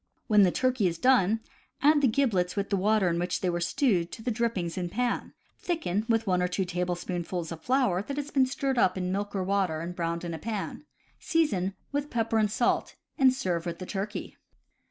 When the turkey is done, add the giblets with the water in which they were stewed to the drippings in pan; thicken with one or two tablespoonfuls of flour that has been stirred up in CAMP COOKERY 149 milk or water and browned in a pan; season with pepper and salt, and serve with the turkey.